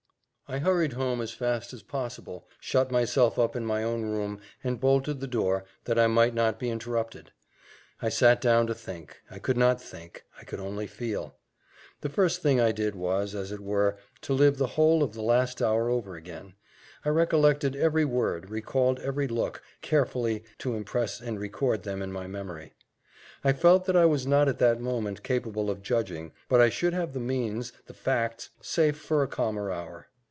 I hurried home as fast as possible, shut myself up in my own room, and bolted the door, that I might not be interrupted. I sat down to think I could not think, I could only feel. The first thing I did was, as it were, to live the whole of the last hour over again I recollected every word, recalled every look, carefully to impress and record them in my memory. I felt that I was not at that moment capable of judging, but I should have the means, the facts, safe for a calmer hour.